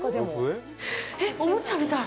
えっ、おもちゃみたい。